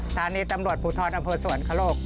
ฐานีตำรวจภูทรอำเภอสวนคลาโลก